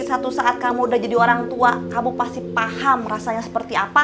suatu saat kamu udah jadi orang tua kamu pasti paham rasanya seperti apa